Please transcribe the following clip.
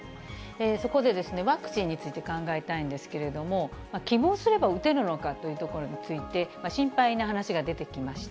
そこで、ワクチンについて考えたいんですけれども、希望すれば打てるのかというところについて、心配な話が出てきました。